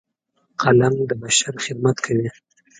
قلم د بشر خدمت کوي